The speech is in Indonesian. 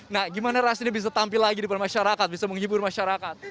nah gimana ras ini bisa tampil lagi di depan masyarakat bisa menghibur masyarakat